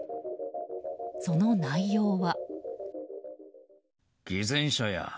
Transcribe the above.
その内容は。